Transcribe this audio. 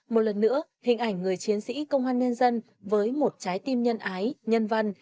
một lần nữa hình ảnh người chiến sĩ công an nhân dân với một trái tim nhân ái nhân văn